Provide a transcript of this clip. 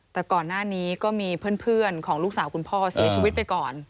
แต่ก่อนหน้านี้ก็มีเพื่อนของลูกสาวคุณพ่อเสียชีวิตไปก่อน